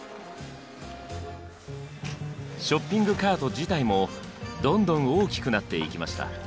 ショッピングカート自体もどんどん大きくなっていきました。